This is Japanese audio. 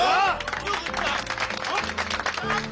よく言った！